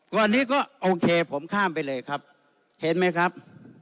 ก่อนนี้ก็โอเคผมข้ามไปเลยครับเห็นไหมครับ